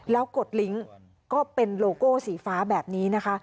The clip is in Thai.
แล้วกดลิงค์ก็เป็นโลโก้สีฟ้าแบบนี้นะคะ